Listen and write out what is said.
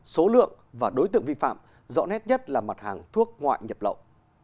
số lượng và đối tượng vi phạm rõ nét nhất là mặt hàng thuốc ngoại nhập lậu